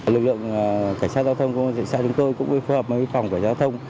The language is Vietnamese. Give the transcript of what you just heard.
lực lượng cảnh sát tàu thông công an thị xã chúng tôi cũng phù hợp với phòng cảnh sát tàu thông